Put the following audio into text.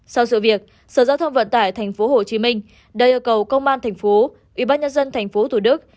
sau sự việc sở giao thông vận tải tp hcm đã yêu cầu công an tp ubnd tp thủ đức